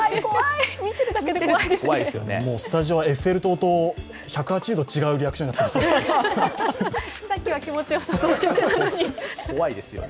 スタジオはエッフェル塔と１８０度違うリアクションになっていますよ。